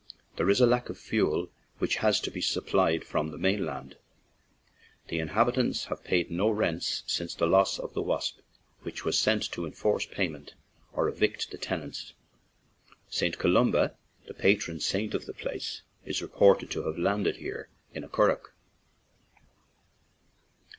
There is a lack of fuel, which has to be supplied from the main land. The inhabi tants have paid no rents since the loss of the Wasp, which was sent to enforce pay ment or evict the tenants. St. Columba, the patron saint of the place, is reported to have landed here in a curragh.